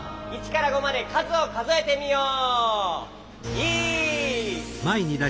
１から５までかずをかぞえてみよう。